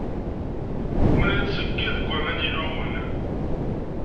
Winna yettseyyiḍ deg aman illuɣen.